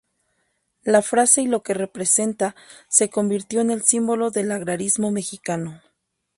La frase y lo que representa se convirtió en el símbolo del agrarismo mexicano.